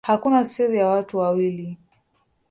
Hakuna siri ya watu wawili